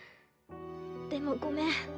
でもごめん。